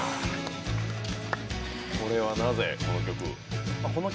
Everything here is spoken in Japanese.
これはなぜ、この曲？